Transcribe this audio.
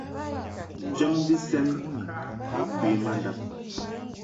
Njam bi sɛn bo kwe ma ndab.